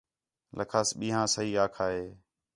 لَکھاس ہِیا سہی آکھا ہِے